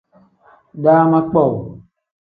Daama kpowuu.